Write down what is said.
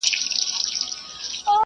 پښې مو نه بوی کوي.